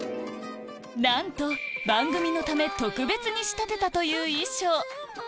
なんと番組のため特別に仕立てたという衣装